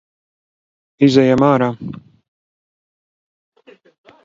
Izejam ārā.